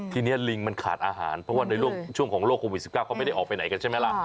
ทีนี้ลิงมันขาดอาหารเพราะว่าในช่วงของโรคโควิด๑๙เขาไม่ได้ออกไปไหนกันใช่ไหมล่ะ